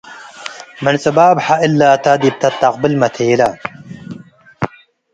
ምን ጽባብሐ እላተ ዲብ ተአተቅብል መቴለ